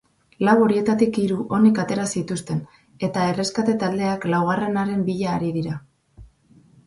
Lau horietatik hiru onik atera zituzten eta erreskate taldeak laugarrenaren bila ari dira.